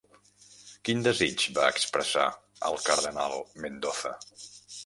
Quin desig va expressar el cardenal Mendoza?